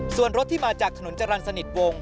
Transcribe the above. ส่วนรถที่มาจากถนนจรรย์สนิทวง